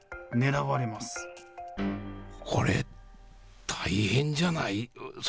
これ、大変じゃない？